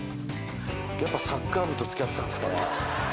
やっぱサッカー部と付き合ってたんですかね？